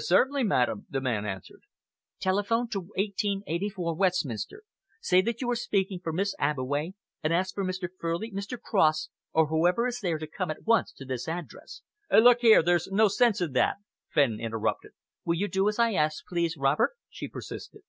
"Certainly, madam," the man answered. "Telephone to 1884 Westminster. Say that you are speaking for Miss Abbeway, and ask Mr. Furley, Mr. Cross, or whoever is there, to come at once to this address." "Look here, there's no sense in that," Fenn interrupted. "Will you do as I ask, please, Robert?" she persisted.